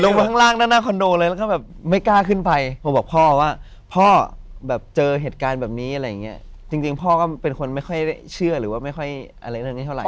ข้างล่างด้านหน้าคอนโดเลยแล้วก็แบบไม่กล้าขึ้นไปโทรบอกพ่อว่าพ่อแบบเจอเหตุการณ์แบบนี้อะไรอย่างเงี้ยจริงพ่อก็เป็นคนไม่ค่อยเชื่อหรือว่าไม่ค่อยอะไรเรื่องนี้เท่าไห